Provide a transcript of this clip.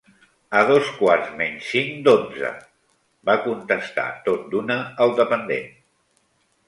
"A dos quarts menys cinc d'onze", va contestar tot d'una el dependent.